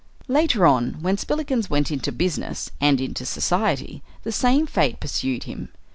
Later on, when Spillikins went into business and into society, the same fate pursued him.